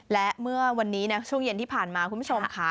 และเมื่อวันนี้นะช่วงเย็นที่ผ่านมาคุณผู้ชมค่ะ